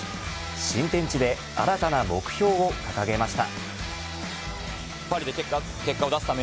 新天地で新たな目標を掲げました。